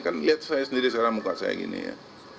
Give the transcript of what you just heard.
kan lihat saya sendiri sekarang muka saya gini ya